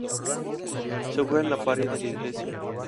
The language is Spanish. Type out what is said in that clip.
Se juega en la pared de la iglesia.